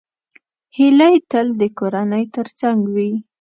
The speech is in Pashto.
هیلۍ تل د کورنۍ تر څنګ وي